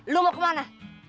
lu mau kemana